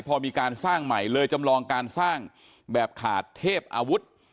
พอมีการสร้างใหม่เลยจำลองการสร้างแบบขาดเทพอาวุธ